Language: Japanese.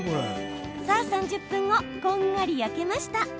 ３０分後、こんがり焼けました。